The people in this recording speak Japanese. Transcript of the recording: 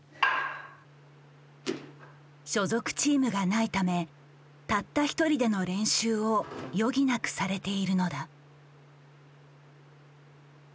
所属チームがないためたった一人での練習を余儀なくされているのだ。